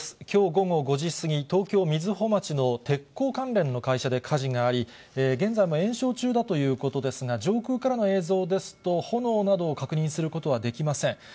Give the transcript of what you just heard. きょう午後５時過ぎ、東京・瑞穂町の鉄鋼関連の会社で火事があり、現在も延焼中だということですが、上空からの映像ですと、炎などを確認することはできません。